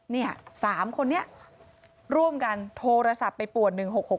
นี่๓คนนี้ร่วมกันโทรศัพท์ไปป่วน๑๖๖